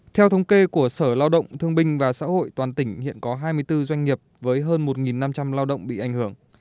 theo thống kê của sở lao động thương binh và xã hội toàn tỉnh hiện có hai mươi bốn doanh nghiệp với hơn một năm trăm linh lao động bị ảnh hưởng